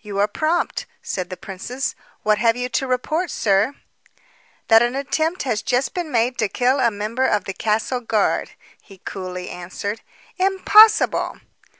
"You are prompt," said the princess "What have you to report, sir?" "That an attempt has just been made to kill a member of the castle guard," he coolly answered. "Impossible!"